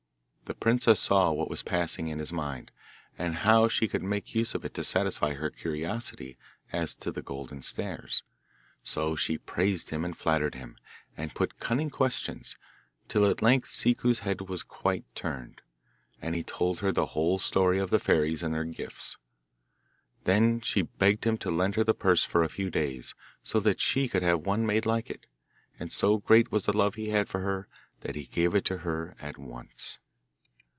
The princess saw what was passing in his mind, and how she could make use of it to satisfy her curiosity as to the golden stairs; so she praised him and flattered him, and put cunning questions, till at length Ciccu's head was quite turned, and he told her the whole story of the fairies and their gifts. Then she begged him to lend her the purse for a few days, so that she could have one made like it, and so great was the love he had for her that he gave it to her at once.